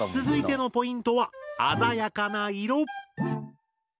続いてのポイントは鮮やかな色！